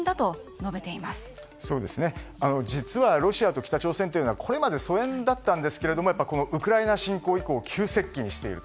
実はロシアと北朝鮮はこれまで疎遠だったんですけどもこのウクライナ侵攻以降急接近している。